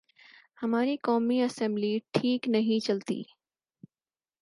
ہماری قومی اسمبلی ٹھیک نہیں چلتی۔